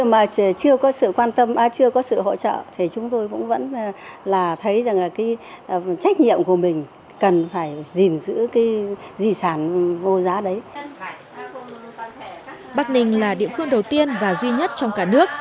bắc ninh là địa phương đầu tiên và duy nhất trong cả nước